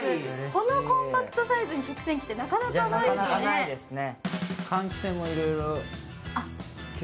このコンパクトサイズに食洗機ってなかなかないですよね。